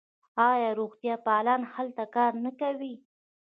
آیا روغتیاپالان هلته کار نه کوي؟